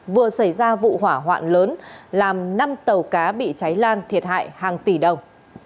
vừa xảy ra vụ hỏa hoạn lớn làm năm tàu cá bị cháy lan thiệt hại hàng tỷ đồng